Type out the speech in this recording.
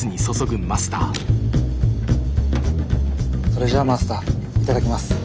それじゃあマスター頂きます。